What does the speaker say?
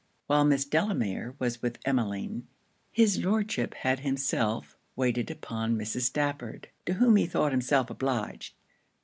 While Miss Delamere was with Emmeline, his Lordship had himself waited on Mrs. Stafford, to whom he thought himself obliged.